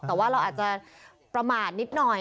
แต่ว่าเราอาจจะประมาทนิดหน่อย